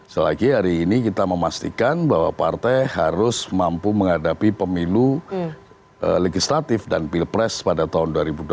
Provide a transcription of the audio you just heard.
selagi hari ini kita memastikan bahwa partai harus mampu menghadapi pemilu legislatif dan pilpres pada tahun dua ribu dua puluh empat